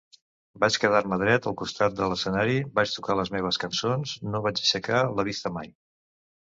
Vaig quedar-me dret al costat de l'escenari, vaig tocar les meves cançons, no vaig aixecar la vista mai.